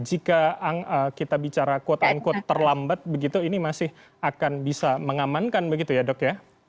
jika kita bicara quote unquote terlambat begitu ini masih akan bisa mengamankan begitu ya dok ya